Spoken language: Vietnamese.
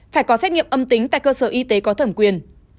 phải có xét nghiệm âm tính tại cơ sở y tế có thẩm quyền